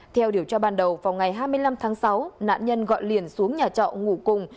theo điều tra ban đầu vào ngày hai mươi năm tháng sáu nạn nhân gọi liền xuống nhà trọ ngủ cùng